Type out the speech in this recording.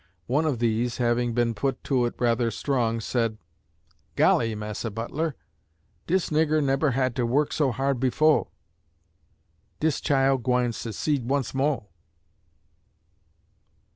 One of these, having been put to it rather strong, said: "Golly, Massa Butler, dis nigger nebber had to work so hard befo'; dis chile gwine secede once moah."